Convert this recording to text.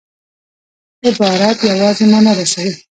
عبارت یوازي مانا رسوي.